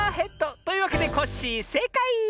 というわけでコッシーせいかい！